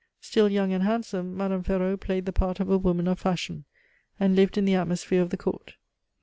Still young and handsome, Madame Ferraud played the part of a woman of fashion, and lived in the atmosphere of the Court.